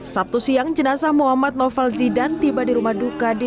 sabtu siang jenazah muhammad naufal zidan tiba di rumah duka di